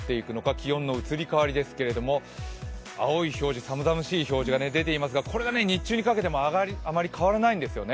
気温の移り変わりですけれども、青い表示、寒々しい表示が出ていますけれども、これが日中にかけてもあまり変わらないんですよね。